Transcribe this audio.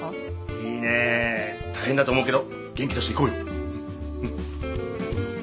いいね大変だと思うけど元気出していこうよ。